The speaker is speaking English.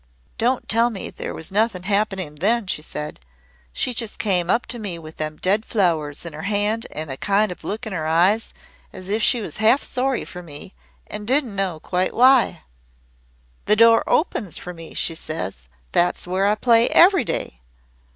"Don't tell me there was nothing happening then," she said. "She just came up to me with them dead flowers in her hand an' a kind of look in her eyes as if she was half sorry for me an' didn't know quite why. "'The door opens for me,' she says. 'That's where I play every day.